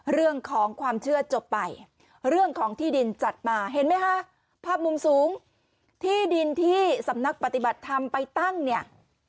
เรื่องของความเชื่อจบไปเรื่องของที่ดินจัดมาเห็นไหมคะภาพมุมสูงที่ดินที่สำนักปฏิบัติธรรมไปตั้งเนี่ย